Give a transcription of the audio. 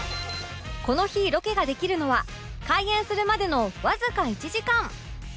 この日ロケができるのは開園するまでのわずか１時間